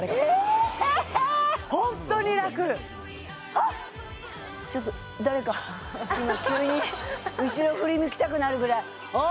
誰かちょっと誰か今急に後ろ振り向きたくなるぐらいあ